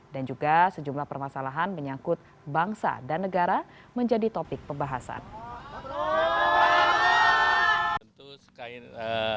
dan juga sejumlah permasalahan menyangkut bangsa dan negara menjadi topik pembahasan